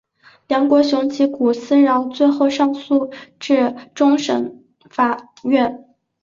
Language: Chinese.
梁国雄及古思尧最后上诉至终审法院。